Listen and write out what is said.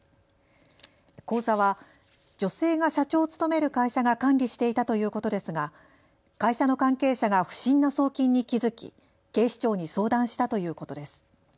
口座は女性が社長を務める会社が管理していたということですが会社の関係者が不審な送金に気付き、警視庁に相談したということです。